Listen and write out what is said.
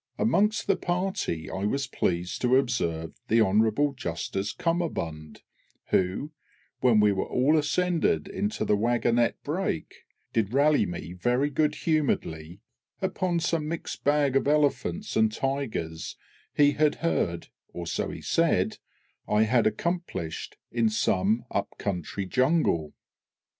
Amongst the party I was pleased to observe Hon'ble Justice CUMMERBUND, who, when we were all ascended into the waggonette break, did rally me very good humouredly upon some mixed bag of elephants and tigers he had heard (or so he said) I had accomplished in some up country jungle.